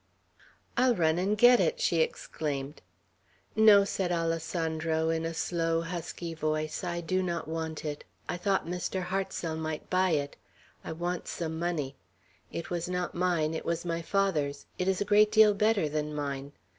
"I'll run and get it," she exclaimed. "No," said Alessandro, in a slow, husky voice. "I do not want it. I thought Mr. Hartsel might buy it. I want some money. It was not mine; it was my father's. It is a great deal better than mine.